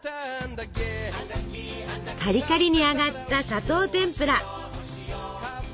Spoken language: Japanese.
カリカリに揚がった砂糖てんぷら。